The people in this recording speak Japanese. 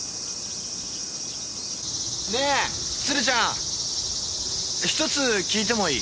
ねえ鶴ちゃん！１つ訊いてもいい？